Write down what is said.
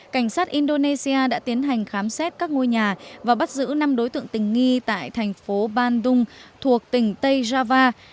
cảnh sát indonesia đã tiến hành khám xét các ngôi nhà và bắt giữ năm đối tượng tình nghi tại thành phố bandung thuộc tỉnh tây java